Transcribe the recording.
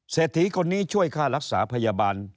เศรษฐีคนนี้ช่วยค่ารักษาพยาบาล